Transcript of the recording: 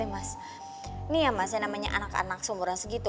ini ya mas yang namanya anak anak seumuran segitu